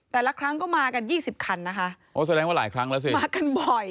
แต่ละครั้งก็มากันยี่สิบคันนะคะโอ้แสดงว่าหลายครั้งแล้วสิมากันบ่อย